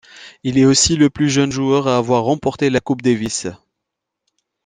Il est aussi le plus jeune joueur à avoir remporté la Coupe Davis.